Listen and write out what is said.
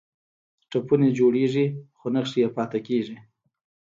ټپونه جوړیږي خو نښې یې پاتې کیږي.